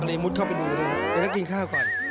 ก็เลยมุดเข้าไปดูเลยเดี๋ยวก็กินข้าวก่อน